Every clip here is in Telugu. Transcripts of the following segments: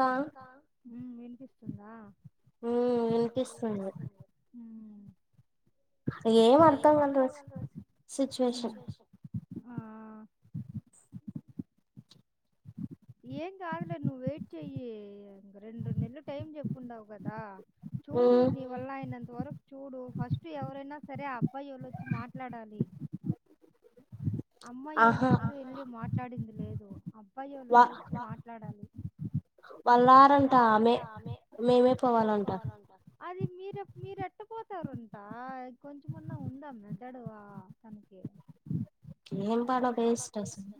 చెప్పు అక్కా వినిపిస్తుందా? ఉమ్ వినిపిస్తుంది. ఏం అర్థం గాలే రోజు సిచ్యువేషన్ [inaudible] ఏం కాదులే నువ్వు వెయిట్ చెయ్యి ఇంక రెండు నెలలు టైం చెప్పుండవు కదా చూడు నేవల్ల్ అయినంత వరక్ చూడు ఫస్ట్ ఎవరైనా సరే ఆ అబ్బాయోళ్ళచ్చి మాట్లాడాలి. అమ్మాయి ఓళ్ళు ఎప్పుడు వెళ్ళి మాట్లాడింది లేదు. అబ్బాయిలొల్లి వచ్చి మాట్లాడాలి. వాళ్ళురారంట మే మేమే పోవాలంట అది మీర మీరు ఎట్టపోతారుంట కొంచమన్నా ఉందా మెదడు ఆ తనకి ఏం పాడో వేస్ట్ అసలు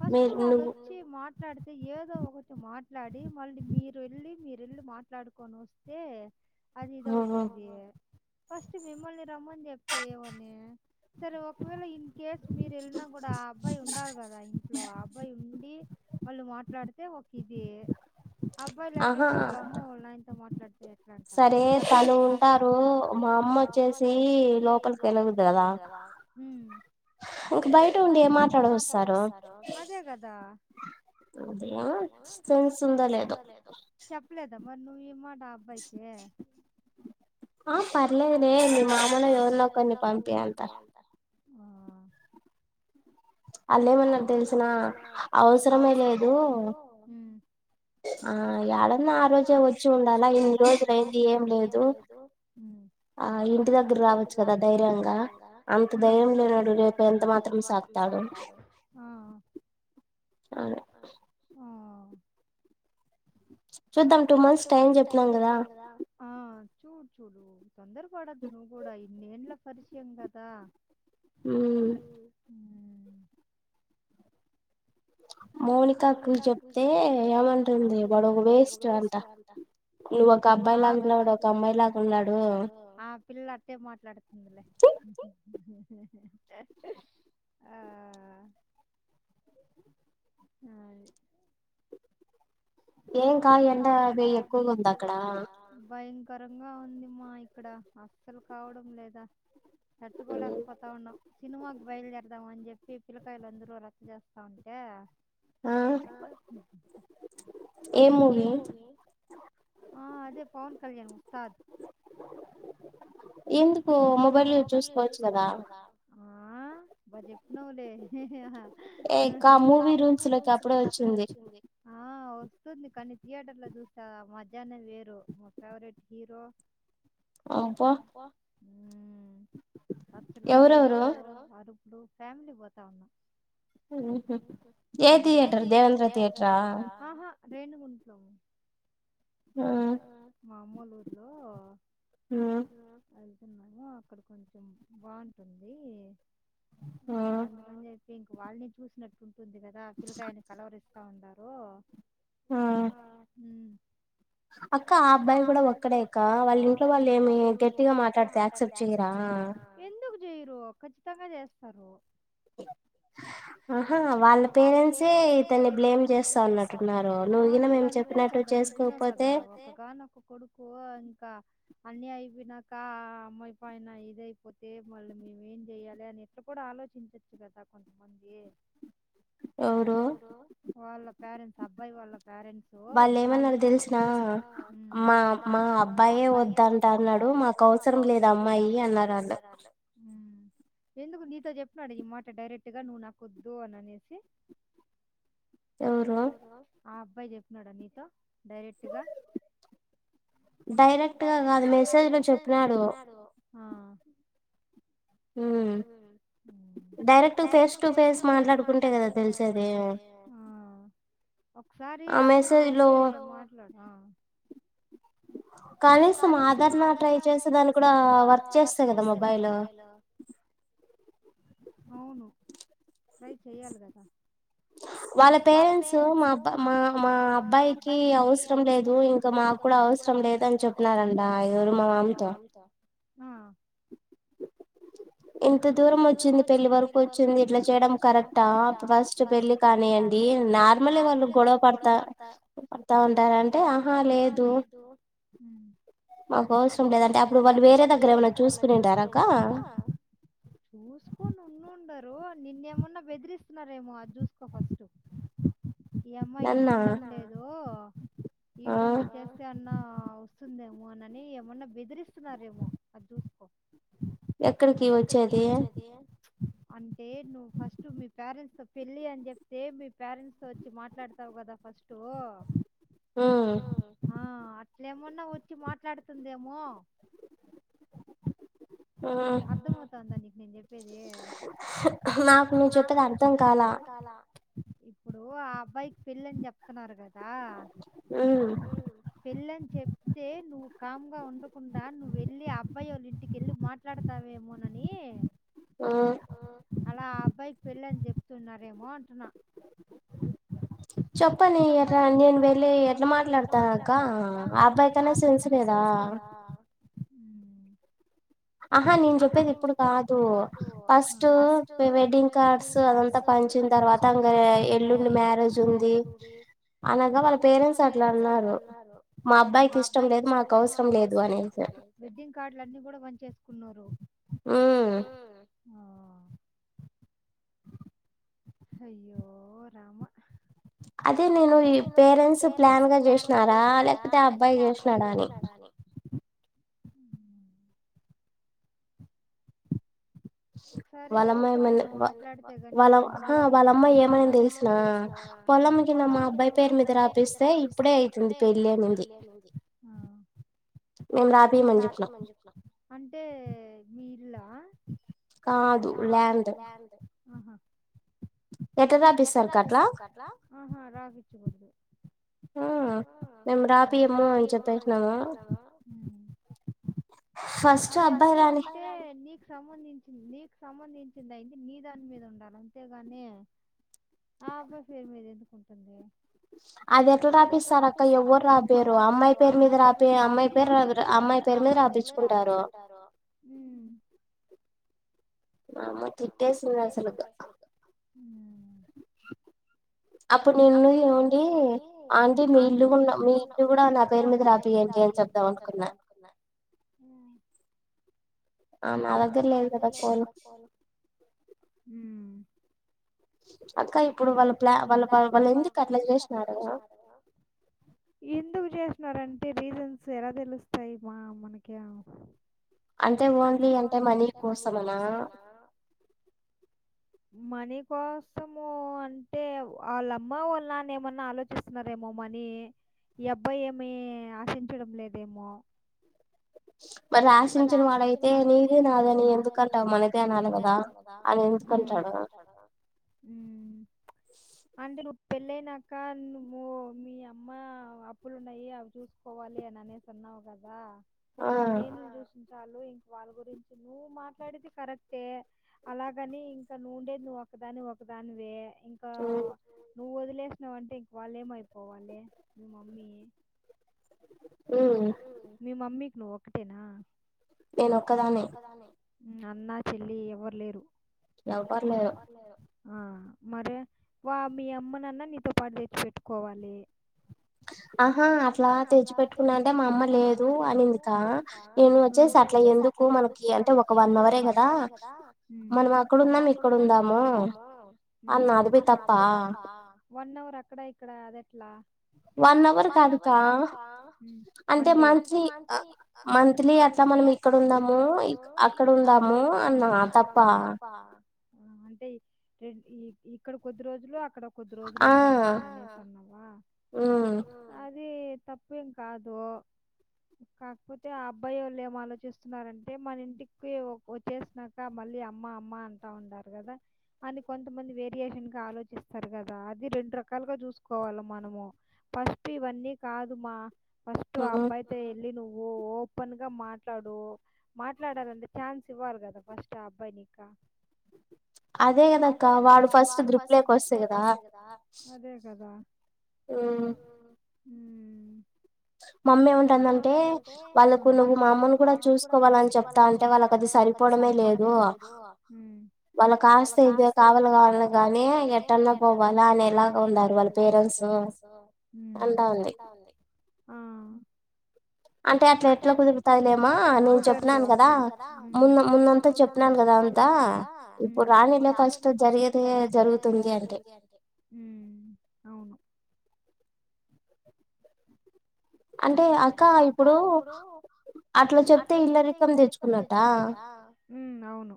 ఫస్ట్ వాళ్లొచ్చి మాట్లాడ్ అది ఏదో ఒకటి మాట్లాడి మళ్ళీ మీరు వెళ్ళి మీరు వెళ్ళి మాట్లాడుకొని వస్తే అది ఇదవుతుంది ఫస్ట్ మిమ్మల్ని రమ్మని చెప్తే ఏమని సరే ఒకవేళ ఇన్ కేస్ మీరు వెళ్ళినా కూడా ఆ అబ్బాయి ఉండాలి కదా ఇంట్లో ఆ అబ్బాయి ఉండి వాళ్ళు మాట్లాడితే ఒక ఇది అబ్బాయి లేకుండా వాళ్ళ అమ్మ వాళ్ళు నాయనతో మాట్లాడితే సరే తను ఉంటారు మా అమ్మ వచ్చేసి లోపలికి వెళగుడదు గదా కదా ఉమ్ ఇంకా బయట ఉండి ఏ మాట్లాడ అస్స్తారు అదే కదా అదే యా సెన్స్ ఉందో లేదో మరి నువ్ ఈ మాట అబ్బాయికి ఆ పర్లేదు లే మీ మామనో ఎవరినో ఒకరిని పంపింయి అన్ పియంట అల్లుఏమన్నారు తెలుసునా తెలిసిన అవసరమే లేదు. ఆ ఎడున్నా ఆ రోజే వచ్చి ఉండాలా ఇన్ని రోజులైంది ఏం లేదు ఆ ఇంటి దగ్గర రావచ్చు కదా ధైర్యంగా అంత ధైర్యం లేనోడు రేపు ఎంత మాత్రం సాక్ తాడు ఆ చూద్దాం టూ మంత్స్ టైం చెప్పినం కదా చూడు చూడు తొందర పడద్దు నువ్వు కూడా ఇన్నేంల పరిచయం కదా మౌనిక అక్కకు చెప్తే ఏమంటుంది. వాడు ఒక వేస్ట్ అంట నువ్వు అబ్బాయి లా ఉన్నాడు వాడు ఒక అమ్మాయి లా ఉన్నాడు ఆ పిల్ల అట్టే మాట్లాడుతుందిలే ఆ [inaudible] ఆ అదే ఏం కావ్య ఎండ వేయ్యి ఎక్కువగా ఉంది అక్కడ ఘరంగా ఉందిమ్మా ఇక్కడ అస్సలు కావడం లేదా తట్టుకోలేకపోతా ఉండాం సినిమాకి బయలుదేరదామ అని చెప్పి పిల్లకాయలు అందరూ రచ్చ చేస్తా ఉంటే ఆ ఏం మూవి ఆ అదే పవన్ కళ్యాణ్ ఉస్తాద్ ఎందుకు మొబైల్ చూసుకోవచ్చు కదా బా చెప్పినవులే మూవీ రూమ్స్ లోకి అప్పుడే వచ్చింది వస్తుంది కానీ థియేటర్ లో చూసా మధ్యాహ్నం వేరు మా ఫేవరెట్ హీరో అబ్బా ఉమ్ పచ్చలు ఏరు అరుపులు ఫ్యామిలీ పోతా ఉన్నాం ఉహూ ఏ థియేటర్ దేవేంద్ర థియేటరా రేణుగుంట్ల లో ఆ మా అమ్మోళ్ల ఊర్లో వెళ్తున్నాము అక్కడ కొంచెం బాగుంటుంది ఇంకా అందుకని చెప్పి ఇంక వాళ్ళని చూసినట్టు ఉంటుంది కదా పిల్లకాయని కలవరిస్తా ఉండారు ఆ ఉమ్ అక్క ఆ అబ్బాయి కూడా ఒక్కడే అక్క వాళ్ళ ఊర్లో వాళ్ళు ఏమి గట్టిగా గట్టిగా మాట్లాడితే యాక్సెప్ట్ చేయరా ఎందుకు చేయరు ఖచ్చితంగా చేస్తారు అహా వాళ్ళ పేరెంట్సే ఇతన్ని బ్లేమ్ చేస్తా అన్నట్టున్నారు నువ్వు గిన మేము చెప్పినట్టు చే [unintelligible] ఒకగానక కొడుకు అక్క అన్నీ అయిపోయినాక అమ్మాయి పైన ఇది అయిపోతే మళ్ళీ మేమేం చెయ్యాలి అని ఇట్లా కూడా ఆలోచించచ్చు కదా కొంతమంది ఎవరు వాళ్ళ పేరెంట్స్ అబ్బాయి వాళ్ళ పేరెంట్స్ ఇప్పుడు వాళ్ళు ఏమన్నారో తెలుసునా మా మా అబ్బాయే వద్దంటన్నాడు మాకు అవసరం లేదు అమ్మాయి అన్నారు వాళ్ళు ఉమ్ ఎందుకు నీతో చెప్పినాడా ఈ మాట డైరెక్ట్గా నువ్వు నాకొద్దు అని అనేసి ఎవరు ఆ అబ్బాయి చెప్పినాడా నీతో డైరెక్ట్గా డైరెక్ట్ గా కాదు మెసేజ్ లో చెప్పినాడు ఉమ్ డైరెక్ట్ ఫేస్ టు ఫేస్ మాట్లాడుకుంటే కదా తెలిసేది ఒకసారి రమ్మని చెప్పి మాట్లాడు ఆ కనీసం మాట్లాడానికి ట్రై చేసే దాన్ని కూడా వర్క్ చేస్తే కదా మొబైల్ అవును ట్రై చేయాలి కదా వాళ్ళ పేరెంట్స్ మా అబ్బా మా మా అబ్బాయికి అవసరం లేదు ఇంకా మాకు కూడా నాకు కూడా అవసరం లేదని చెప్నారం ఆ ఎవరు మా మామ తో ఇంత దూరం వచ్చింది పెళ్లి వరకు వచ్చింది ఇట్లా చేయడం కరెక్టా ఫస్ట్ పెళ్లి కానియండి ఏం నార్మలే వాళ్ళు గొడవ పడతా పడతా ఉంటారంటే ఆహా లేదు ఉమ్ మాకు అవసరం లేదంటే అప్పుడు వాళ్ళు వేరే దగ్గర ఏమన్నా చూసుకునింటారాక్క చూసుకోని ఉన్నుండరు నిన్న ఏమన్నా బెదిరిస్తున్నారేమో అది చూసుకో ఫస్ట్ అ ఈ అమ్మా ఇట్ట వినడం లేదు ఈ విధంగా చేస్తే అన్నా వస్తుందేమో మోనని ఏమన్నా బెదిరిస్తున్నారేమో అది చూసుకో ఎక్కడికి వచ్చేది అంటే నువ్వు ఫస్ట్ మీ పేరెంట్స్ తో పెళ్లి అని చెప్తే మీ పేరెంట్స్ తో వచ్చి మాట్లాడుతా వ్ కదా ఫస్ట్ ఉమ్ అట్లా ఏమన్నా వచ్చి మాట్లాడుతుందేమో అర్థం అవుతాందా నీకు నేను చెప్పేది నాకు నువ్ చెప్పేది అర్థం కాలా ఇప్పుడు ఆ అబ్బాయికి పెళ్లని చెప్తున్నారు కదా ఉం పెళ్ళని చెప్తే నువ్వు కామ్గా ఉండకుండా నువ్వు వెళ్ళి ఆ అబ్బాయి ఓళ్ళ ఇంటికిెళ్ళి మాట్లాడ తావేమోనని ఆ అలా అబ్బాయికి పెళ్ళని చెప్తున్నారేమో అంటున్నా చెప్పని ఎట్లా నేను వెళ్ళి ఎట్లా మాట్లాడతాను అక్క ఆ అబ్బాయి కన్నా సెన్స్ లేదా సెన్స్ లేదా ఆహా నేను చెప్పేది ఇప్పుడు కాదు ఫస్ట్ వెడ్డింగ్ కార్డ్స్ అదంతా పంచ అంత పంచిన తర్వాత ఇంకా ఎల్లుండి మారేజ్ ఉంది అనగా వాళ్ళ పేరెంట్స్ అట్లా అన్నారు మా అబ్బాయికి ఇష్టం లేదు మాకు అవసరం లేదు అని వెడ్డింగ్ కార్డులు అన్నీ కూడా పంచి చేేసు కున్నారు ఉం అయ్యో రామ అదే నేను ఈ పేరెంట్స్ ప్లాన్ గా చేసినారా లేకపోతే అబ్బాయి చేసినడా అని అ [unintelligible] ఒకసారి ఓపెన్ మాట్లాడితే గాని ఇవన్ని తెలియదు వాళ్ల అమ్మ ఏమనింది తెలుసునా పొలంకిన మా అబ్బాయి పేరు మీద రాపిస్తే ఇప్పుడే అయితుంది పెళ్లి అనేది మేం రాపియ్యం అని చెప్పిన అంటే మీ ఇల్లా కాదు లాండ్ ఆహా ఎట్ల రాపిస్తారు కట్ల ఆహా రాపిచ్చ కూడదు ఉం మేం రాపియ్యము అని చెప్పేసినము అదేదన్న ఉంటే నీకు సంబంధించింది నీకు సంబంధించింది అయింది నీ దాని మీద ఉండాల అంతేగాని ఆ అబ్బాయి పేరు మీద ఎందుకుంటుంది అది ఎట్లా రాపిస్తారు అక్క ఎవరు రాపియ్య రు అమ్మాయి పేరు మీద రాపే అమ్మాయి పేరు అమ్మాయి పేరు మీద రాపిచ్చు కుంటారు ఉం వామ్మో సిగ్గేసింది అసలకి ఉం ఇప్పుడు నిన్ను ఏవండి అంటే మీ ఇల్లు కూడా మీ ఇల్లు కూడా నా పేరు మీద రాపియండి అని చెప్దాం చెప్దం అనుకున్నా ఉం ఆ నా దగ్గర లేదు కదా ఫోన్ ఉం అక్క ఇప్పుడు వాళ్ళు ప్లా వాళ్ళ వాళ్ళు ఎందుకు అట్లా చేసినారు ఎందుకు చేసున్నారంటే రీజన్స్ ఎలా తెలుస్తాయి మా మనకి అంటే ఓన్లీ అంటే మనీ కోసం అనా మనీ కోసము అంటే వాళ్ళ అమ్మ వాళ్ళ నాన్న ఏమన్నా ఆలోచిస్తున్నారు ఎమో మనీ ఈ అబ్బాయి ఏమి ఆశించడం లేదేమో మరి ఆశించిన వాడయితే నీది నాదని ఎందుకంటావు మనదే అనాలి కదా అని ఎందుకంటాడు ఆ ఉం అంటే పెళ్ళయినాక నువ్ మీ అమ్మ అప్పులున్నాయి అవి చూసుకోవాలి అని అనేసను అన్నావ్ గద నిన్నే చాలు ఇంక వాళ్ళ గురించి నువ్వు మాట్లాడేది కరెక్టే అలాగని ఇంకా నువ్వు ఉండేది ను ఒకదాని ఒకదాని వే ఇంకా నువ్వు వదిలే నువ్వు అంటే ఇంక వాళ్ళు ఏమైపోవాలి ను మమ్మీ మీ మమ్మీకి నువ్వు ఒక్కటేనా నేనుక్కదా అన్న చెల్లి ఎవ్వరు లేరు ఏవరు లేరు ఆ మరే వా మీ అమ్మనన్న నీతో పాటు తెచ్చి పెట్టుకోవాలి ఆహా అట్లా తెచ్చిపెట్టుకున్నా అంటే మా అమ్మా అంటే మా అమ్మ లేదు అనిందుక నేను వచ్చి సటిల్ అయ్యేందుకు మనకి అంటే ఒక వన్ అవరే కదా మనం అక్కడున్నాం ఇక్కడందాము అన్నాదిపి తప్ప వన్ అవర్ అక్కడ ఇక్కడ అది ఎట్లా వన్ అవర్ కాదు కా అంటే అతే మంత్లీ మంత్లీ అట్లా మనం ఇక్కడ ఉందాము అక్కడ ఉందాము అ అ తప్ప అంటే ఇక్కడ కొద్ది రోజులు అక్కడ కొద్దిరోజులు కొద్ది రోజులు ఆ ఉందామన్నావా అదే తప్పేం కాదు కాకపోతే ఆ అబ్బాయి వాళ్ళు ఏం ఆలోచిస్తున్నారంటే మన ఇంటికి వచ్చేసాక మళ్ళీ అమ్మాయి అమ్ మా అమ్మ అంటా ఉండారు కదా అని కొంతమంది వేరియేషన్ క ఆలోచిస్తారు కదా అది రెండు రకాలుగా చూసుకోవాలి మనము ఫస్ట్ ఇవన్నీ కాదు మా ఫస్ట్ ఆ అబ్బాయితో ఎల్ నువ్వు ఒప్పన్ గా మాట్లాడు మాట్లాడాలంటే ఛాన్స్ ఇవ్వాలి కదా ఫస్ట్ ఆ అబ్బాయి నీక అదే కదాక్క వాడు ఫస్ట్ గ్రూప్ లోక వస్తా కదా అదే కదా ఉ మమ్మీ ఏ ఉంటుందంటే వాళ్ళలకు నువ్వు మా అమ్మని కూడా చూసుకోవాలని చెప్తా అంటే వాళ్ళకి అది సరి అ అది సరిపోవడమే లేదు వాళ్ళ కాస్త ఇద కావాల కావాల కానీ ఎట్టల్లో పోవాలా అని ఎలాగా ఉన్నారు వాళ్ళ పేరు పేరెంట్స్ అని అంట ఉంది అంటే అట్లా ఎట్లా కుదురుతాలేమ నేను చెప్పినను కదా మున్న మున్నంతా చెప్పినను కదా అంతా అంతా ఇప్పుడు రాలిలో ఫస్ట్ జరిగేదే జరుగుతుంది అండి అంటే అక్క ఇప్పుడు అట్లా చెప్తే ఇల్లరికము తెచ్చుకున్నట అవును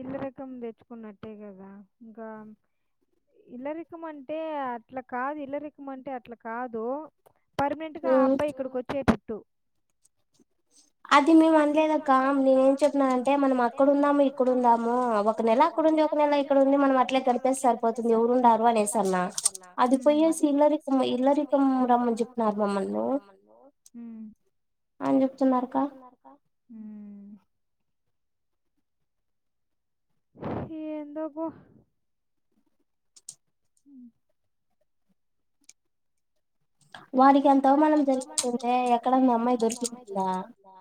ఇళ్ల రీకం తెచ్చుకున్నట్టే కదా ఇంకా ఇళ్లరికం అంటే అట్ల కాదు ఇళ్లరికం అంటే అట్ల కాదు పర్మనెంట్ గా ఆ అబ్బాయి ఇక్కడికి వచ్చే టట్టు అది మేము అనలేదక్క నేనే ఏం చెప్తున్నాన అంటే మనం అక్కడ ఉందము ఇక్కడ ఉందాము ఒక నెల అక్కడ ఒక నెల ఇక్కడ ఉంది మనం అట్లే గడిపేసి సరిపోతుంది ఎవరుండారు అనే అన్న అది పోయసి ఇల్లరికం ఇల్లరీకము రమ్మని చెప్పన్నారు మమ్మలి అని చెప్తున్నారుక్క ఉ ఏ ఏందొబొ ఉ వారికి అంత అవమానం జరుగుతుంటే ఎక్కడ మీ అమ్మాయి దొరికితుందా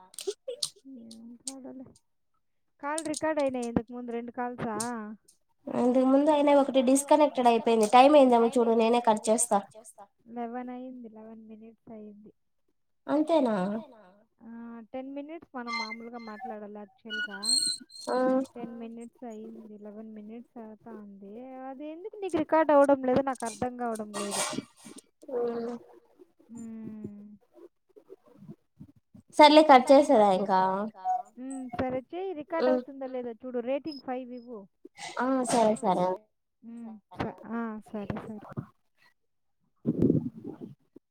కాల్ రికార్డ్ అయినాయి ఇంతకు ముందు రెండు కాల్సా అందుకు ముందు అయి ఒకటి డిస్కనెక్టెడ్ అయిపోయింది టైమ్ అయిందమ్మ చూడు నేనే కట్చ చేస్తా పని అయింద టెన్ మినిట్స్ మనం మాలుగా మాట్లాడుకుందాం లాడక్చుల్గా టెన్ మనిట్స్ అయ్యింది లెవెన్ మినిట్స్ అయితా ఉంది ఎందుకు నీకు రికార్డ్ అవడం లేదో నాకు అర్ధం అవడం లేదు ఉమ్ సర్లే కట్ చేసేదా ఇంకా ఉమ్ సరే చేయ్ రికార్డ్ అవుతుందా లేద చూడు రేటింగ్ ఫైవ్ ఇవ్వు ఆ సరే సరే ఉమ్ ఓకే ఆ సరే సరే